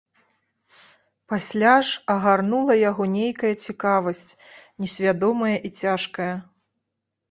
Пасля ж агарнула яго нейкая цікавасць, несвядомая і цяжкая.